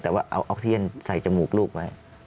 แต่ว่าเอาออกเซียนใส่จมูกลูกไว้